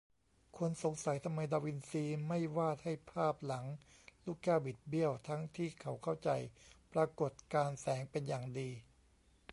คนสงสัยทำไมดาวินซีไม่วาดให้ภาพหลังลูกแก้วบิดเบี้ยว ทั้งที่เขาเข้าใจปรากฏการณ์แสงเป็นอย่างดี